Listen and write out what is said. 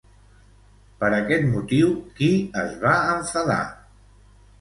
Per aquest motiu, qui es va enfadar?